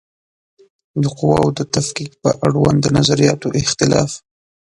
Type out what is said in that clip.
د قواوو د تفکیک په اړوند د نظریاتو اختلاف